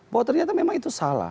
bahwa ternyata memang itu salah